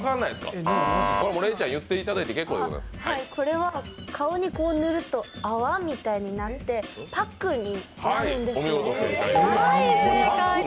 これを顔に塗ると泡みたいになってパックになるんですよ。